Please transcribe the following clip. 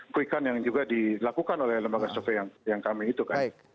quick count yang juga dilakukan oleh lembaga survei yang kami itu kan